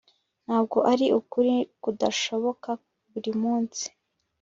ntabwo ari ukuri kudashoboka buri munsi